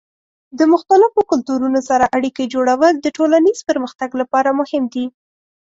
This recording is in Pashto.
د مختلفو کلتورونو سره اړیکې جوړول د ټولنیز پرمختګ لپاره مهم دي.